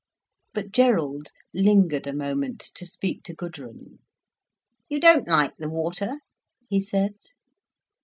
But Gerald lingered a moment to speak to Gudrun. "You don't like the water?" he said.